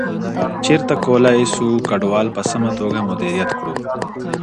چیرته کولای سو کډوال په سمه توګه مدیریت کړو؟